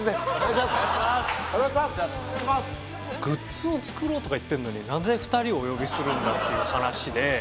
グッズを作ろうとか言ってるのになぜ２人をお呼びするんだっていう話で。